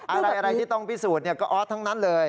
อะไรที่ต้องพิสูจน์ก็ออสทั้งนั้นเลย